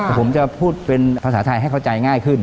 ผมจะพูดเป็นภาษาไทยให้เข้าใจง่ายขึ้น